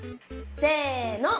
せの。